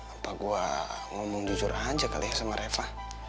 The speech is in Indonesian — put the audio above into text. apa gue ngomong jujur aja kali ya sama reva